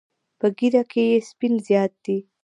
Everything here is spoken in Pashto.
په ږیره کې یې سپین زیات دي.